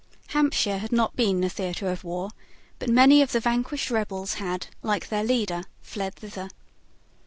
Hampshire had not been the theatre of war; but many of the vanquished rebels had, like their leader, fled thither.